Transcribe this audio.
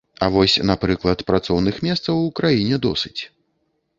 А вось, напрыклад, працоўных месцаў у краіне досыць.